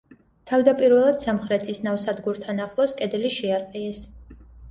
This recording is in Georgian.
თავდაპირველად სამხრეთის ნავსადგურთან ახლოს კედელი შეარყიეს.